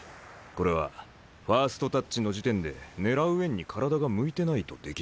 これはファーストタッチの時点で狙う円に体が向いてないとできない。